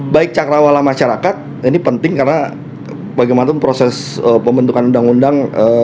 baik cakrawala masyarakat ini penting karena bagaimanapun proses pembentukan undang undang